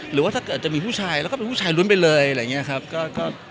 หรือว่าจะมีผู้ชายเราก็เป็นผู้ชายนั้นไปเลยหลายอย่างนี้ครับ